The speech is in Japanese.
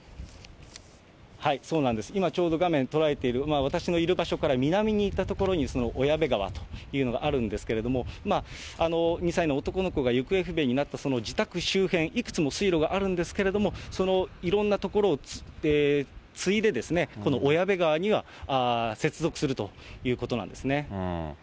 今ちょうど、画面捉えている、私のいる場所から南に行った所にその小矢部川というのがあるんですけれども、２歳の男の子が行方不明になった自宅周辺、いくつも水路があるんですけれども、そのいろんな所をついで、この小矢部川には接続するということなんですね。